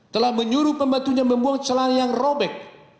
telah menyuruh pembantunya membuang celana yang robek